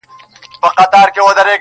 وایم بخت مي تور دی لکه توره شپه -